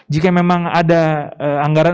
jika memang ada anggaran